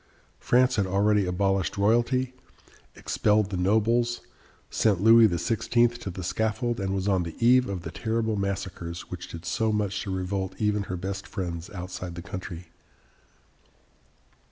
France had already abolished royalty, expelled the nobles, sent Louis XVI. to the scaffold, and was on the eve of the terrible massacres which did so much to revolt even her best friends outside the country.